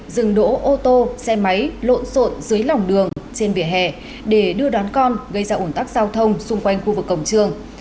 dừng đỗ ô tô xe máy lộn xộn dưới lòng đường trên vỉa hè để đưa đón con gây ra ủn tắc giao thông xung quanh khu vực cổng trường